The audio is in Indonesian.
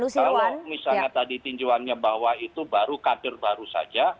kalau misalnya tadi tinjuannya bawah itu baru kadir baru saja